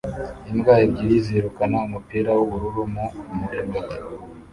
Imbwa ebyiri zirukana umupira w'ubururu mu murima